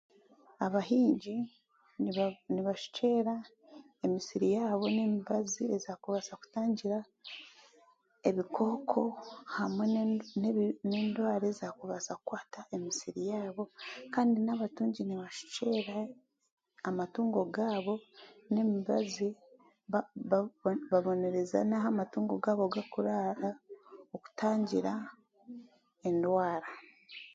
Abahingi nibashukyera emisiri yaabo n'emibazi eyaakubaasa kutangira ebikooko hamwe n'endwara ezaakubaasa kukwata emisiri yaabo kandi n'abatungi nibashukyera amatungo gaabo n'emibazi kandi babonereze n'aha matungo gaabo garikuraara, okutangira endwara.